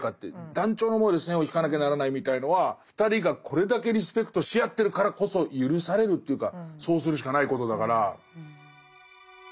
断腸の思いで線を引かなきゃならないみたいのは２人がこれだけリスペクトし合ってるからこそ許されるというかそうするしかないことだから。